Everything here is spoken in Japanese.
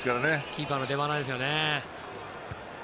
キーパーの出ばなにですよね。